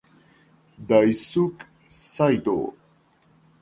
Daisuke Saitō